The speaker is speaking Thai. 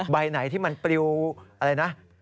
ใบไหนที่มันปลิวอะไรนะ